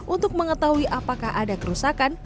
untuk mengetahui apakah ada kerusakan